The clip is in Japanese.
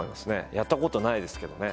やったことないですけどね。